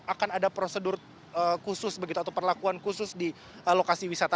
akan ada prosedur khusus begitu atau perlakuan khusus di lokasi wisata